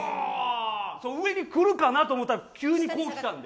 上に来るかなと思ったら、急にこうきたんで。